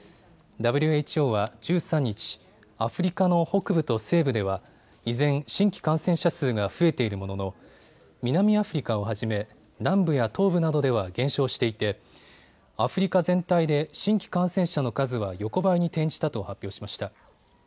ＷＨＯは１３日、アフリカの北部と西部では依然、新規感染者数が増えているものの南アフリカをはじめ南部や東部などでは減少していてアフリカ全体で新規感染者の数は横ばいに転じたと発表しました。